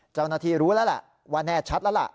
เจ้าหน้าที่รู้แล้วแหละว่าแน่ชัดแล้วล่ะ